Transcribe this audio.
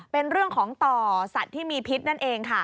เป็นเรื่องของต่อสัตว์ที่มีพิษนั่นเองค่ะ